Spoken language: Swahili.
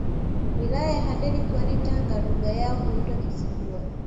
Wilaya ya Handeni mkoani Tanga Lugha yao huitwa Kizigua